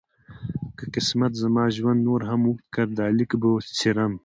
که قسمت زما ژوند نور هم اوږد کړ دا لیک به څېرم.